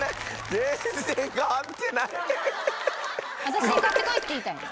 私に買ってこいって言いたいの？